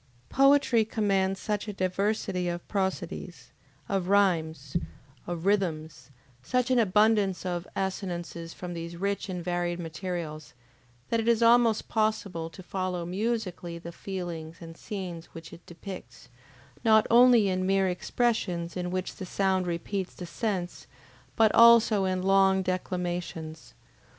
Poetry commands such a diversity of prosodies, of rhymes, of rhythms, such an abundance of assonances from these rich and varied materials, that it is almost possible to follow MUSICALLY the feelings and scenes which it depicts, not only in mere expressions in which the sound repeats the sense, but also in long declamations.